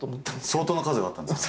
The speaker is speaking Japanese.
相当な数があったんですか？